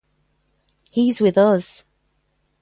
He's with us.